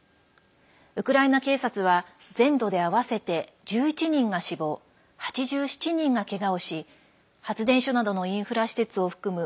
ウクライナ警察は全土で合わせて１１人が死亡、８７人がけがをし発電所などのインフラ施設を含む